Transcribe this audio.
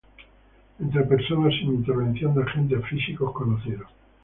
entre personas sin intervención de agentes físicos conocidos